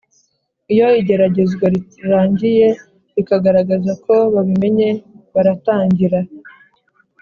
Iyo igeragezwa rirangiye rikagaragaza ko babimenye baratangira